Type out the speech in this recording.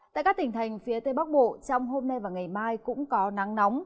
tại các tỉnh thành phía tây bắc bộ trong hôm nay và ngày mai cũng có nắng nóng